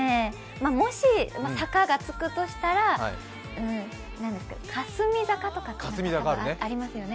もし坂がつくとしたらかすみ坂とかありますよね